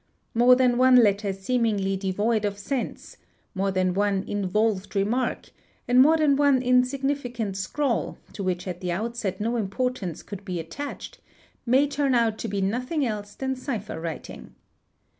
More than one letter seemingly devoid of sense, more than one involved remark, and more than one insignificant scrawl, to which at the outset no importance could be attached, may turn out to be nothing else than cipher writing.